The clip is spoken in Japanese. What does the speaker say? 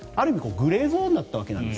グレーゾーンだったわけです。